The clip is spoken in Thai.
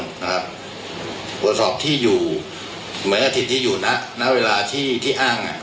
ตรวจสอบที่อยู่เหมือนอาทิตย์ที่อยู่ณเวลาที่ที่อ้างอ่ะ